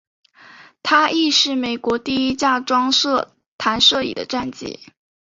它亦是美国第一架装设弹射椅的战机。